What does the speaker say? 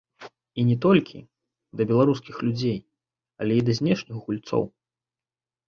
І не толькі да беларускіх людзей, але і да знешніх гульцоў.